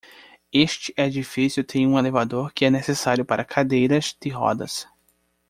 Este edifício tem um elevador que é necessário para cadeiras de rodas.